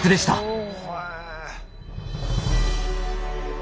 お！